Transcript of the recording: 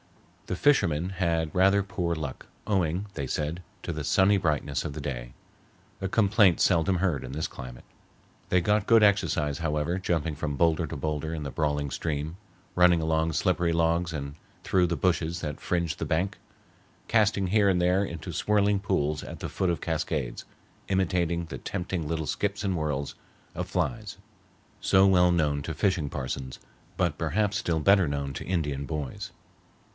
The fishermen had rather poor luck, owing, they said, to the sunny brightness of the day, a complaint seldom heard in this climate. They got good exercise, however, jumping from boulder to boulder in the brawling stream, running along slippery logs and through the bushes that fringe the bank, casting here and there into swirling pools at the foot of cascades, imitating the tempting little skips and whirls of flies so well known to fishing parsons, but perhaps still better known to Indian boys.